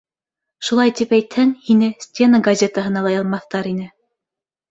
Шулай тип әйтһәң, һине стена газетаһына ла яҙмаҫтар ине...